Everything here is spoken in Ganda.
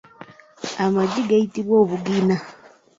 Amagi gayitibwa obugina.